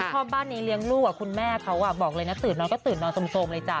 ชอบบ้านนี้เลี้ยงลูกคุณแม่เขาบอกเลยนะตื่นนอนก็ตื่นนอนสมเลยจ้